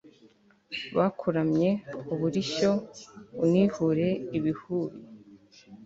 bakuramye, umurishyo unihure ibihubi